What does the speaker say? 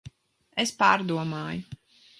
Es pārdomāju.